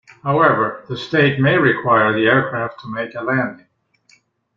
However, the state may require the aircraft to make a landing.